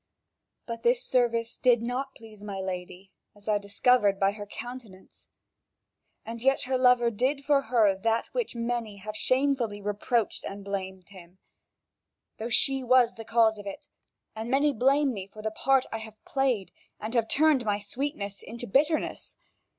But this service did not please my lady, as I discovered by her countenance. And yet her lover did for her that for which many have shamefully reproached and blamed him, though she was the cause of it; and many blame me for the part I have played, and have turned my sweetness into bitterness.